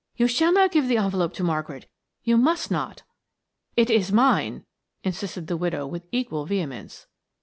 "You shall not give the envelope to Margaret you must not." "It is mine," insisted the widow with equal vehemence.